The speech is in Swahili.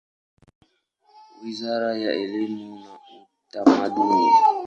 Wizara ya elimu na Utamaduni.